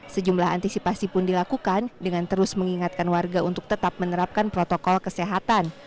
sejumlah antisipasi pun dilakukan dengan terus mengingatkan warga untuk tetap menerapkan protokol kesehatan